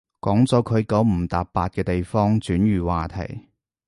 講咗佢九唔搭八嘅地方，轉移話題